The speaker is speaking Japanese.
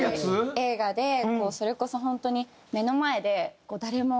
映画でそれこそ本当に目の前で誰もいない。